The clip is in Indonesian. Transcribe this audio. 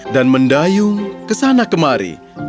dan mendayung kesana kemari